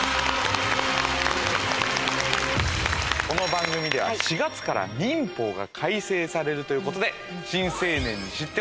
この番組では４月から民法が改正されるということで。